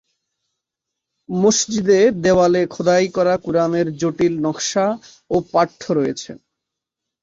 মসজিদে দেওয়ালে খোদাই করা কুরআনের জটিল নকশা এবং পাঠ্য রয়েছে।